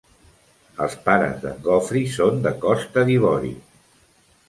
Els pares d'en Geoffrey son de Costa d'Ivori.